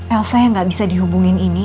elsa yang gak bisa dihubungin ini